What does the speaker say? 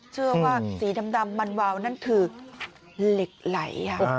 เชื่อว่าสีดำมันวาวนั่นคือเหล็กไหลค่ะ